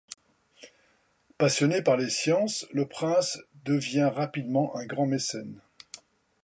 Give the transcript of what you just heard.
Passionné par les sciences, le prince devient rapidement un grand mécène.